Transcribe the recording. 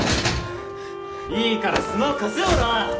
いいからスマホ貸せよおらっ！